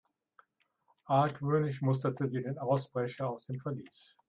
Argwöhnisch musterte sie den Ausbrecher aus dem Verlies.